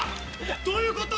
どういうこと？